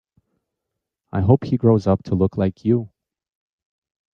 I hope he grows up to look like you.